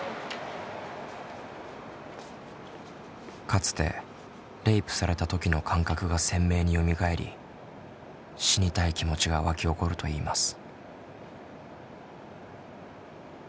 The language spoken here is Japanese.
かつてレイプされた時の感覚が鮮明によみがえり死にたい気持ちが湧き起こるといいます。